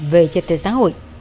về trật tự xã hội